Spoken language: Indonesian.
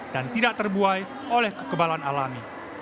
dan tidak terbuai oleh kekebalan alami